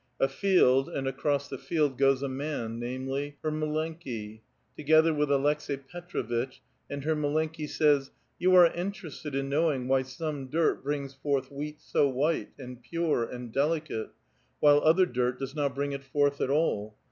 A field, and across the field goes a man, namely, her mllenki^ together with Aleks^i Petrovitch, and her milenki says :" You are interested in knowing why some dirt brings forth wheat so white, and pure, and delicate, while other dirt does not bring it forth at all.